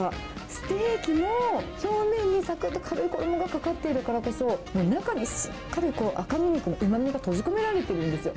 ステーキも、表面にさくっと軽い衣がかかっているからこそ、中にしっかり赤身肉のうまみが閉じ込められているんですよ。